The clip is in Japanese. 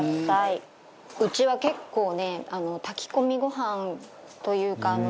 うちは結構ね炊き込みご飯というかあのね。